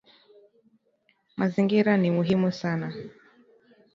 Mazingira ni muhimu sana.